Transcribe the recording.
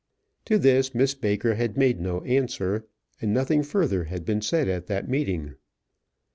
To this Miss Baker had made no answer, and nothing further had been said at that meeting.